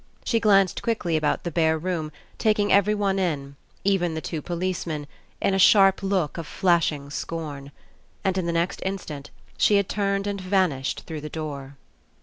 She glanced quickly about the bare room, taking everyone in, even the two policemen, in a sharp look of flashing scorn. And, in the next instant, she had turned and vanished through the door.